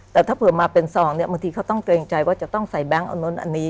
แต่ถ้าเผื่อมาเป็นซองเนี่ยบางทีเขาต้องเกรงใจว่าจะต้องใส่แบงค์เอานู้นอันนี้